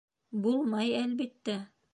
Булмай, әлбиттә.